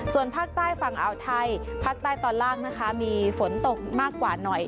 ส่วนภาคใต้ฝั่งอ่าวไทยภาคใต้ตอนล่างนะคะมีฝนตกมากกว่าหน่อย